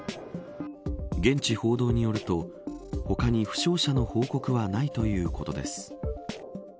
現地報道によると他に負傷者の報告はないということです。